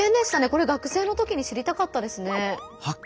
これ学生のときに知りたかったですね。